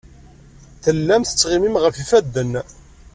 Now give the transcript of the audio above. Tellam tettɣimim ɣef yifadden.